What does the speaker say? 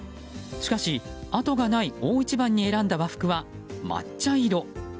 しかし、後がない大一番に選んだ和服は抹茶色。